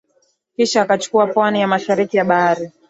kisha akachukua pwani ya mashariki ya Bahari ya